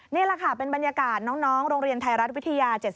นี่แหละค่ะเป็นบรรยากาศน้องโรงเรียนไทยรัฐวิทยา๗๒